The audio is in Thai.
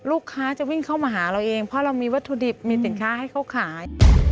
ลูกค้าจะวิ่งเข้ามาหาเราเองเพราะเรามีวัตถุดิบมีสินค้าให้เขาขาย